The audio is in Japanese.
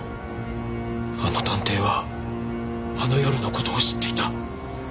あの探偵はあの夜の事を知っていた。